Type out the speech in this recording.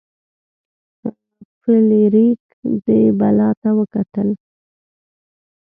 فلیریک دې بلا ته وکتل.